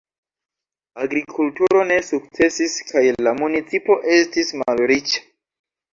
Agrikulturo ne sukcesis kaj la municipo estis malriĉa.